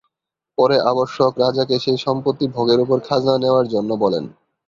পরে আবশ্যক রাজাকে সেই সম্পত্তি ভোগের উপর খাজনা নেওয়ার জন্য বলেন।